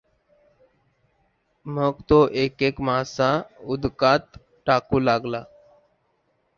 मग तो एक एक मासा उदकात टाकू लागला.